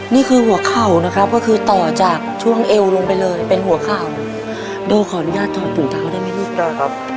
นี่คือหัวเข่านะครับก็คือต่อจากช่วงเอวลงไปเลยเป็นหัวเข่าโดขออนุญาตทอนถุงเท้าได้ไหมลูกได้ครับ